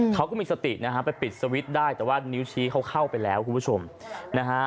เขาก็มีสตินะฮะไปปิดสวิตช์ได้แต่ว่านิ้วชี้เขาเข้าไปแล้วคุณผู้ชมนะฮะ